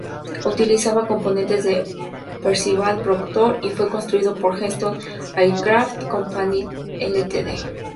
Utilizaba componentes de Percival Proctor, y fue construido por Heston Aircraft Company Ltd.